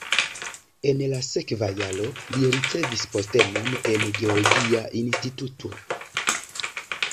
En la sekva jaro li ricevis postenon en geologia instituto.